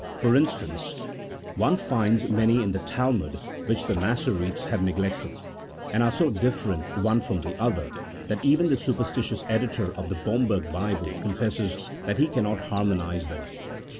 For instance, one finds many in the Talmud which the Massoretes have neglected, and are so different one from the other that even the superstitious editor of the Bomberg Bible confesses that he cannot harmonize them.